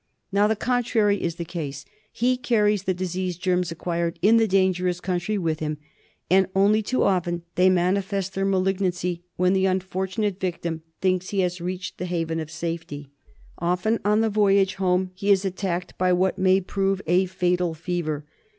Now, the contrary is the case. He carries the disease germs acquired in the dangerous country with him, and only too often they mani fest their malignancy when the unfortunate victim thinks he has reached the haven of safety. Often on the voyage home he is attacked by what may prove a fatal fever.